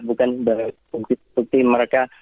bukan bukti bukti mereka